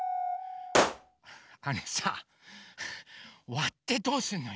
あのさわってどうすんのよ？